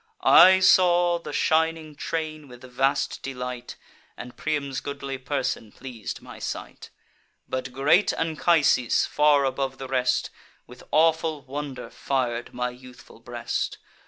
I saw the shining train with vast delight, And Priam's goodly person pleas'd my sight: But great Anchises, far above the rest, With awful wonder fir'd my youthful breast.